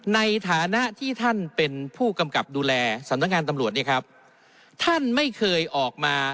ในฐานะที่ท่านเป็นผู้กำกับดูแลสำนักงานตำรวจเนี่ยครับท่านไม่เคยออกมา